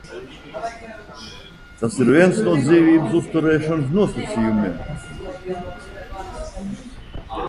Tas ir viens no dzīvības uzturēšanas nosacījumiem.